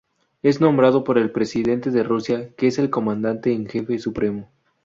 Es nombrado por el presidente de Rusia, que es el Comandante en Jefe Supremo.